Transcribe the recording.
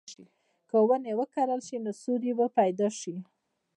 که ونې وکرل شي، نو سیوری به پیدا شي.